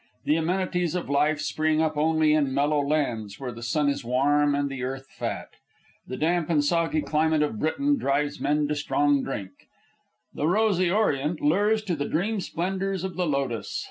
The amenities of life spring up only in mellow lands, where the sun is warm and the earth fat. The damp and soggy climate of Britain drives men to strong drink; the rosy Orient lures to the dream splendors of the lotus.